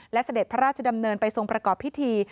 และเสด็จพระราชดำเนินไปทรงประกอบพิธี